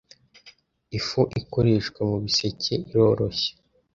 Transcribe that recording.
Ifu ikoreshwa mubiseke iroroshye.